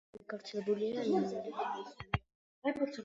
ძირითადად გავრცელებულია სლოვაკეთში.